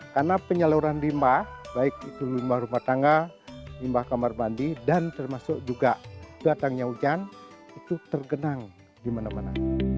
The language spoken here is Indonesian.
karena penyaluran limba baik itu limba rumah tangga limba kamar mandi dan termasuk juga datangnya hujan itu terkenang di mana mana